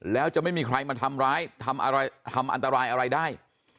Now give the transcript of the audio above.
แล้วจะไม่มีใครมาทำร้ายทำอะไรทำอันตรายอะไรได้